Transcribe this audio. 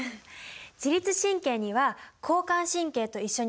自律神経には交感神経と一緒にはたらく